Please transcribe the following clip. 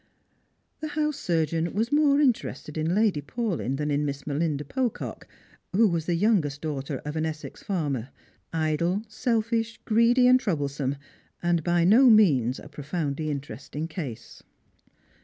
The house surgeon was more interested in Lady Paulyn than in Miss Mehnda Pocock, who was the youngest daughter of an Essex farmer, idle, selfish, greedy, and troublesome, and by no means a profoundly interesting case.